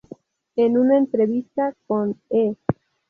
En una entrevista con E!